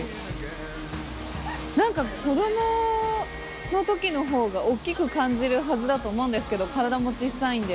何か子供の時の方が大っきく感じるはずだと思うんですけど体も小っさいんで。